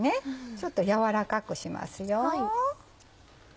ちょっとやわらかくしますよ。